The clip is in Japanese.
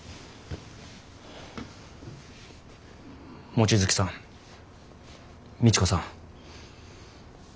望月さん道子さん。